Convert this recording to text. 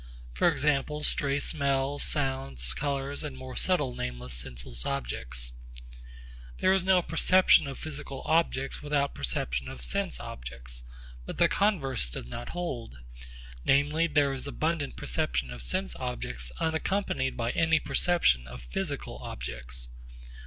For example, stray smells, sounds, colours and more subtle nameless sense objects. There is no perception of physical objects without perception of sense objects. But the converse does not hold: namely, there is abundant perception of sense objects unaccompanied by any perception of physical objects.